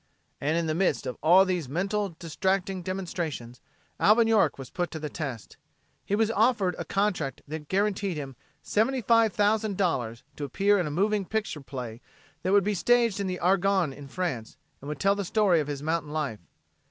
And in the midst of all of these mental distracting demonstrations Alvin York was put to the test. He was offered a contract that guaranteed him $75,000 to appear in a moving picture play that would be staged in the Argonne in France and would tell the story of his mountain life.